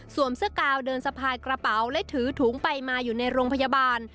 เสื้อกาวเดินสะพายกระเป๋าและถือถุงไปมาอยู่ในโรงพยาบาล